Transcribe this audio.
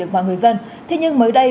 được mọi người dân thế nhưng mới đây